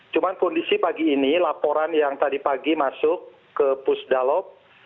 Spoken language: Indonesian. cuma kondisi pagi ini laporan yang tadi pagi masuk ke pusdalog